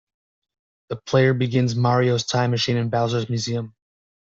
The player begins "Mario's Time Machine" in Bowser's museum.